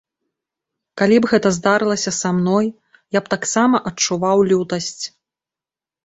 Калі б гэта здарылася са мной, я б таксама адчуваў лютасць.